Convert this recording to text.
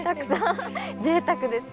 ぜいたくですね。